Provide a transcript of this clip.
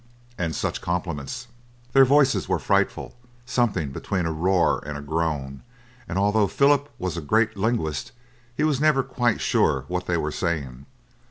And such compliments! Their voices were frightful, something between a roar and a groan, and although Philip was a great linguist he was never quite sure what they were saying.